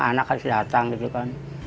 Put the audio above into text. anak kasih datang gitu kan